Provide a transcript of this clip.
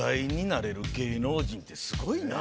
なれる芸能人ってすごいな。